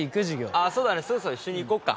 あそうだね。そろそろ一緒に行こっか。